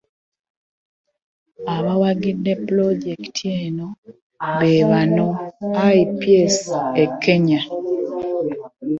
Abawagidde Pulojekiti eno be bano IPS eKenya.